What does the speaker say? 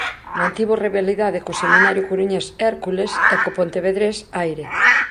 Mantivo rivalidade co semanario coruñés "Hércules" e co pontevedrés "Aire".